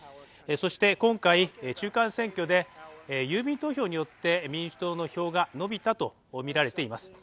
そして今回、中間選挙で郵便投票によって民主党の票が伸びたとみられています。